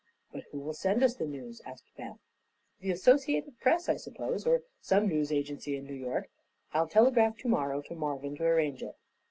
"But who will send us the news?" asked Beth. "The Associated Press, I suppose, or some news agency in New York. I'll telegraph to morrow to Marvin to arrange it."